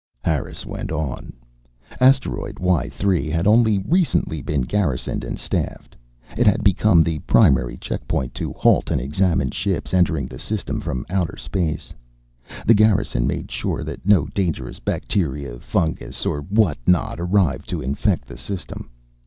Harris went on. Asteroid Y 3 had only recently been garrisoned and staffed. It had become the primary check point to halt and examine ships entering the system from outer space. The Garrison made sure that no dangerous bacteria, fungus, or what not arrived to infect the system.